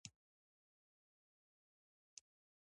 د انار پوستکی د څه لپاره وکاروم؟